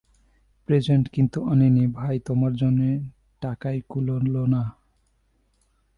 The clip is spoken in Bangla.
প্রেজেন্ট কিন্তু আনিনি ভাই তোমার জন্যে, টাকায় কুলোল না।